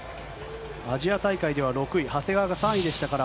アジア大会では６位、長谷川が３位でしたから、